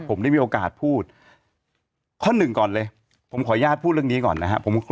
ผมได้มีโอกาสพูดข้อหนึ่งก่อนเลยผมขออนุญาตพูดเรื่องนี้ก่อนนะครับ